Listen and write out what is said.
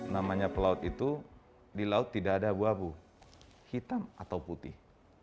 namanya pelaut itu di laut tidak ada abu abu hitam atau putih